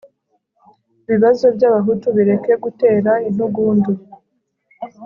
ibibazo by'abahutu bireke gutera intugunda